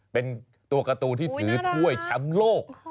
เป็นตัวการ์ตูที่ถือถ้วยแชมป์โลก